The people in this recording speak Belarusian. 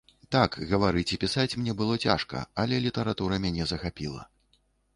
Так, гаварыць і пісаць мне было цяжка, але літаратура мяне захапіла.